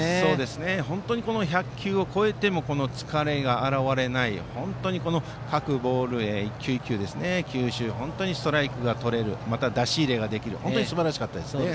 本当に１００球を超えてもこの疲れが表れない本当に各球種でもストライクがとれるまた出し入れができるとすばらしかったです。